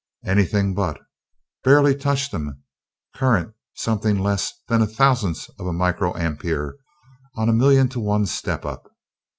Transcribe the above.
"Anything but. Barely touched 'em current something less than a thousandth of a micro ampere on a million to one step up.